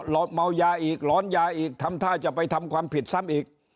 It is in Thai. เมายาอีกหลอนยาอีกทำท่าจะไปทำความผิดซ้ำอีก